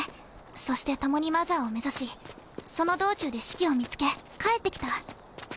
そして共にマザーを目指しその道中でシキを見つけ帰ってきた。